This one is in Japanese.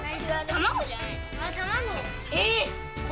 卵。